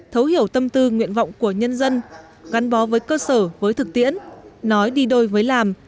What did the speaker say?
thấu hiểu tâm tư nguyện vọng của nhân dân gắn bó với cơ sở với thực tiễn nói đi đôi với làm